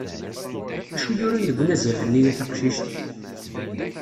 Acu yuran deg unazal-nni a taqcict?